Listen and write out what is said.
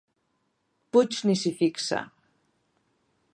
Puig ni s'hi fixa.